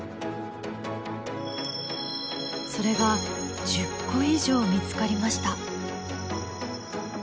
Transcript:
それが１０個以上見つかりました。